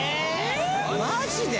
マジで！？